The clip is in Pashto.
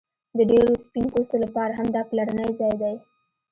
د ډیرو سپین پوستو لپاره هم دا پلرنی ځای دی